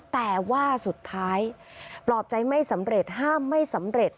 แต่ว่าสุดท้ายปลอบใจไม่สำเร็จห้ามไม่สำเร็จ